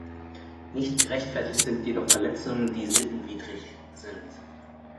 Nicht gerechtfertigt sind jedoch Verletzungen, die sittenwidrig sind.